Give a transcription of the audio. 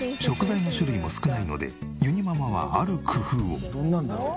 食材の種類も少ないのでゆにママはある工夫を。